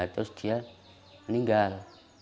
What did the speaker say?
terus dia meninggal